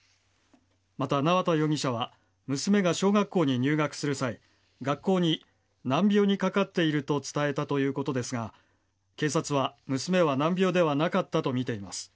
また、縄田容疑者は娘が小学校に入学する際学校に、難病にかかっていると伝えたということですが警察は、娘は難病ではなかったとみています。